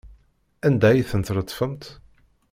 Anda ay ten-tletfemt?